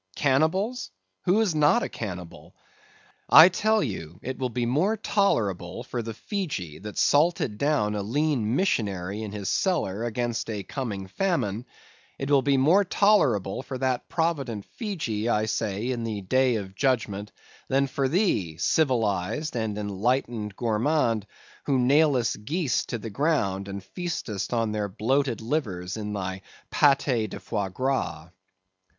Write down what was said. Cannibals? who is not a cannibal? I tell you it will be more tolerable for the Fejee that salted down a lean missionary in his cellar against a coming famine; it will be more tolerable for that provident Fejee, I say, in the day of judgment, than for thee, civilized and enlightened gourmand, who nailest geese to the ground and feastest on their bloated livers in thy paté de foie gras.